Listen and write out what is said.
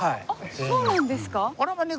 そうなんですか？